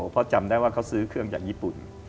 เพราะจำได้ว่าเขาซื้อเครื่องจากญี่ปุ่น